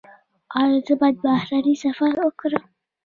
ایا زه باید بهرنی سفر وکړم؟